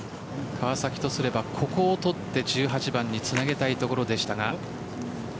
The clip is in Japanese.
川崎とすればここを取って１８番につなげたいところでしたが。